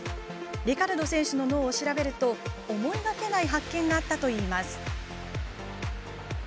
リカルド選手の脳を調べると思いがけない発見があったといいます。